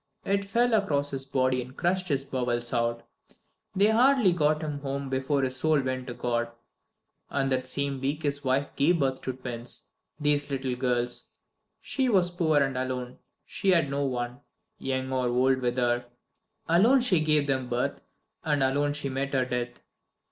It fell across his body and crushed his bowels out. They hardly got him home before his soul went to God; and that same week his wife gave birth to twins these little girls. She was poor and alone; she had no one, young or old, with her. Alone she gave them birth, and alone she met her death."